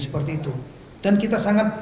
seperti itu dan kita sangat